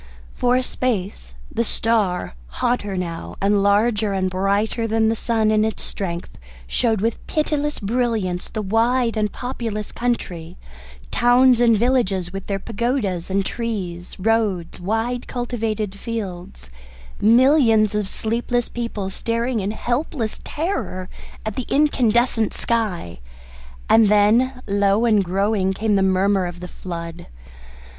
For a space the star, hotter now and larger and brighter than the sun in its strength, showed with pitiless brilliance the wide and populous country; towns and villages with their pagodas and trees, roads, wide cultivated fields, millions of sleepless people staring in helpless terror at the incandescent sky; and then, low and growing, came the murmur of the flood.